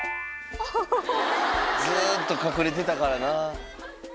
ずっと隠れてたからな。